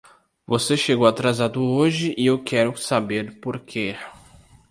Você chegou atrasado hoje e eu quero saber por quê.